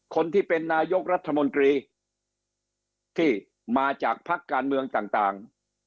คนที่เป็นนายกรัฐมนตรีที่มาจากพักการเมืองต่าง